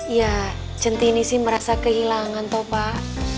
ya centini sih merasa kehilangan top pak